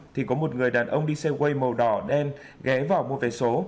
thì có một người đàn ông đi xe quay màu đỏ đen ghé vào mua vé số